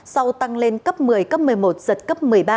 sau tăng lên cấp một mươi cấp một mươi một giật cấp một mươi ba